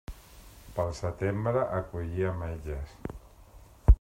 Pel setembre, a collir ametlles.